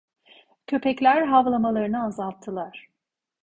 Köpekler havlamalarını azalttılar.